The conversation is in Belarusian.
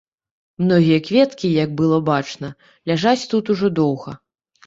Многія кветкі, як было бачна, ляжаць тут ужо доўга.